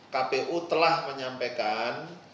kpu telah menyampaikan